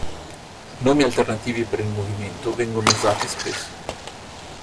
Nomi alternativi per il movimento vengono usati spesso.